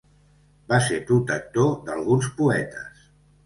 Va ser protector d'alguns poetes.